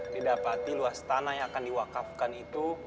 didapati luas tanah yang akan diwakafkan itu